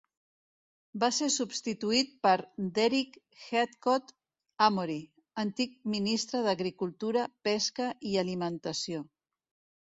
Va ser substituït per Derick Heathcoat Amory, antic ministre d'Agricultura, Pesca i Alimentació.